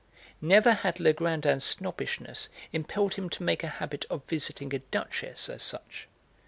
Never had Legrandin's snobbishness impelled him to make a habit of visiting a duchess as such.